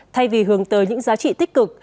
thay vì hưởng tới những giá trị tích cực